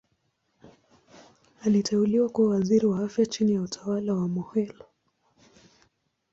Aliteuliwa kuwa Waziri wa Afya chini ya utawala wa Mokhehle.